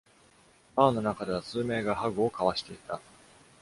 バーの中では数名がハグを交わしていた。